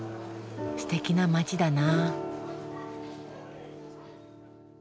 すてきな街だな。